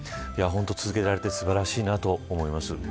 続けられて素晴らしいなと思います。